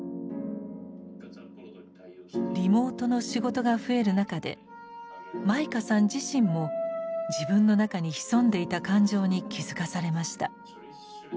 リモートの仕事が増える中で舞花さん自身も自分の中に潜んでいた感情に気付かされました。